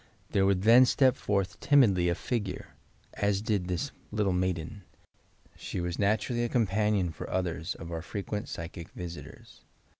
There would then step forth tim idly a figure — as did this little maiden. ,.. She was 346 YOUK PSTCHIC POWERS naturally a companion for others of our freqnent psychift visitors.